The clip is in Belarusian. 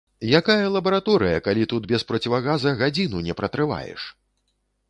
Якая лабараторыя, калі тут без процівагаза гадзіну не пратрываеш!